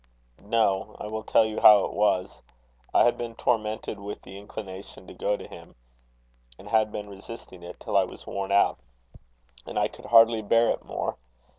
"No. I will tell you how it was. I had been tormented with the inclination to go to him, and had been resisting it till I was worn out, and could hardly bear it more.